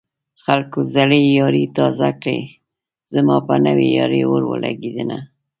خلکو زړې يارۍ تازه کړې زما په نوې يارۍ اور ولګېدنه